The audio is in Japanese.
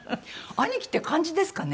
アニキって感じですかね？